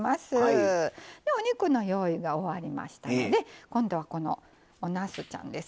お肉の用意が終わりましたので今度はおなすちゃんですね。